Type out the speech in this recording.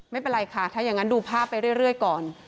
ไม่เป็นไรค่ะถ้าอย่างนั้นดูภาพไปเรื่อยก่อน